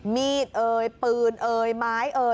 มีดปืนไม้